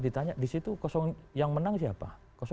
ditanya di situ yang menang siapa